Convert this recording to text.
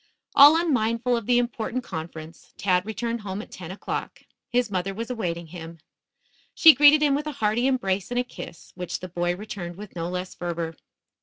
All unmindful of the important conference, Tad returned home at ten o'clock. His mother was awaiting him. She greeted him with a hearty embrace and a kiss, which the boy returned with no less fervor.